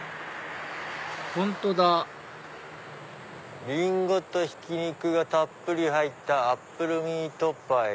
本当だ「リンゴとひき肉がたっぷり入ったアップルミートパイ」。